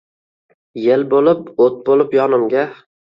Yel bo’lib, o’t bo’lib yonimga –